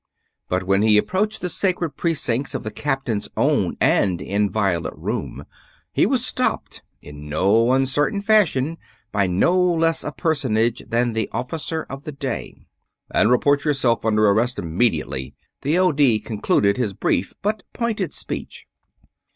But when he approached the sacred precincts of the captain's own and inviolate room, he was stopped in no uncertain fashion by no less a personage than the Officer of the Day. "... and report yourself under arrest immediately!" the O.D. concluded his brief but pointed speech.